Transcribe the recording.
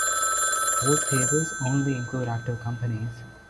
Both tables only include active companies.